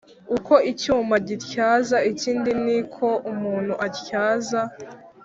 Uko icyuma gityaza ikindi Ni ko umuntu atyaza